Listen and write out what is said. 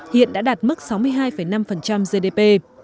hiện đã đạt mức sáu mươi hai năm gdp